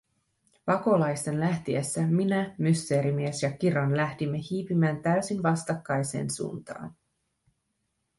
Pakolaisten lähtiessä, minä, Mysteerimies ja Kiran lähdimme hiipimään täysin vastakkaiseen suuntaan: